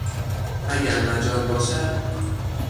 اگر مجال باشد